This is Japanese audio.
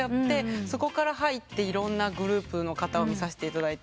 そこから入っていろんなグループの方を見させていただいて。